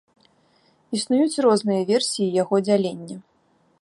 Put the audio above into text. Існуюць розныя версіі яго дзялення.